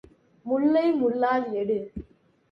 முள்ளை முள்ளால் எடு.